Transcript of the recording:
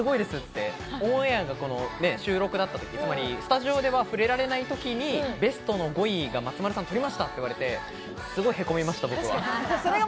ＯＡが収録だったとき、スタジオで触れられないときにベストの５位を松丸さんとりましたって言われて、すごいへこみました、僕は。